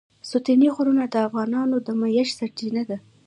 ستوني غرونه د افغانانو د معیشت سرچینه ده.